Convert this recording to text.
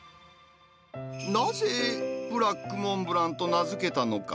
なぜ、ブラックモンブランと名付けたのか。